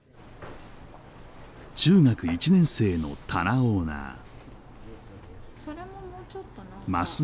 中学１年生の棚オーナー。